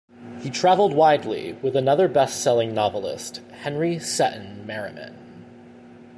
He travelled widely with another bestselling novelist, Henry Seton Merriman.